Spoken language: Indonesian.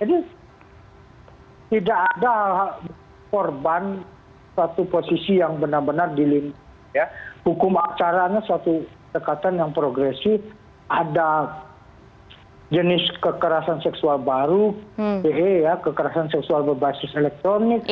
jadi tidak ada korban satu posisi yang benar benar dilindungi ya hukum acaranya suatu dekatan yang progresif ada jenis kekerasan seksual baru kekerasan seksual berbasis elektronik